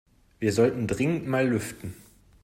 Wir sollten dringend mal lüften.